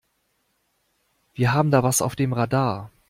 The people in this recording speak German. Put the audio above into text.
Wir haben da was auf dem Radar.